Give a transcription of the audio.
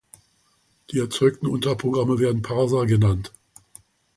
Die erzeugten Unterprogramme werden Parser genannt.